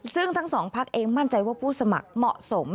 ซึ่งทั้งสองพักเองมั่นใจว่าผู้สมัครเหมาะสม